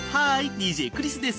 ＤＪクリスです。